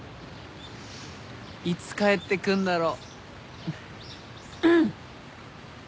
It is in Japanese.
いつ帰ってくんだろ。